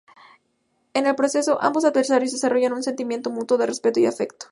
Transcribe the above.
En el proceso, ambos adversarios desarrollan un sentimiento mutuo de respeto y afecto.